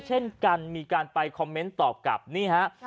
เช่นกันมีการไปคอมเมนต์ตอบกลับนี่ฮะ